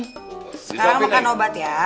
sekarang makan obat ya